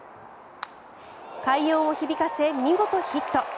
快音を響かせ、見事ヒット。